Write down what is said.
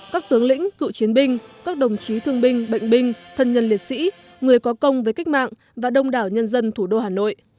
các tướng lĩnh cựu chiến binh các đồng chí thương binh bệnh binh thân nhân liệt sĩ người có công với cách mạng và đông đảo nhân dân thủ đô hà nội